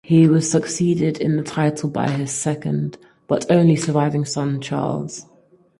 He was succeeded in the title by his second but only surviving son, Charles.